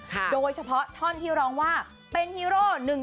ที่ยิ่งใหญ่กว่าไอรอนแมน